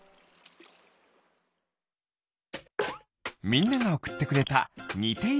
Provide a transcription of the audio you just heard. みんながおくってくれたにているもの